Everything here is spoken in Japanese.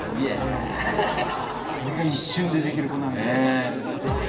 これが一瞬でできる子なんで。